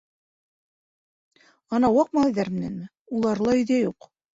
Анау ваҡ малайҙар менәнме — улары ла өйҙә юҡ.